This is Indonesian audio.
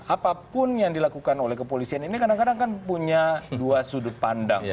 apapun yang dilakukan oleh kepolisian ini kadang kadang kan punya dua sudut pandang